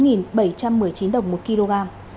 giá cao hơn một mươi bốn bảy trăm một mươi chín đồng một kg